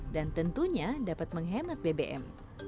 dan tentunya dapat menghemat bbm